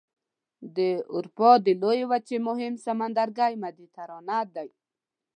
د اروپا د لویې وچې مهم سمندرګی مدیترانه دی.